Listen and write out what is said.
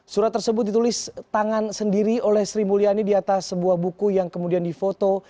surat tersebut ditulis tangan sendiri oleh sri mulyani di atas sebuah buku yang kemudian difoto